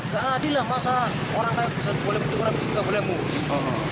nggak adil lah masa orang kayak bisa boleh pindah ke rumah bisa nggak boleh mudik